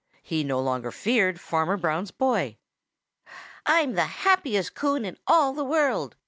He no longer feared Farmer Brown's boy! "I'm the happiest coon in all the world!"